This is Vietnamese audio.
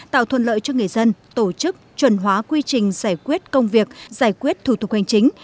tạo thuận lợi cho người dân tổ chức chuẩn hóa quy trình giải quyết công việc giải quyết thủ tục hành chính